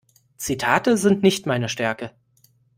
Zitate sind nicht meine Stärke.